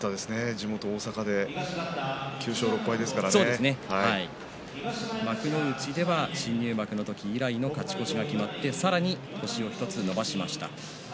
地元大阪で新入幕の時以来の勝ち越しが決まってさらに星を１つ伸ばしました。